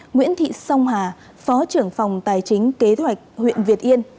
nguyễn thị song hà phó trưởng phòng tài chính kế hoạch huyện việt yên